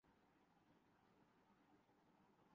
قیادت ملنے کے بعد